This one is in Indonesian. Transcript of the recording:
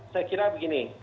saya kira begini